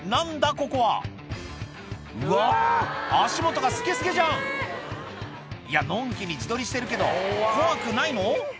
ここはうわ足元がスケスケじゃんいやのんきに自撮りしてるけど怖くないの？